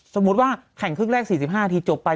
สมมุติว่าแข่งครึ่งแรก๔๕นาทีจบไป